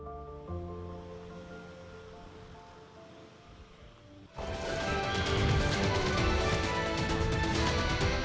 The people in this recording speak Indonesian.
agar tetap berstari